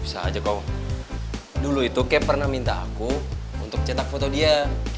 bisa aja kau dulu itu kay pernah minta aku untuk cetak foto dia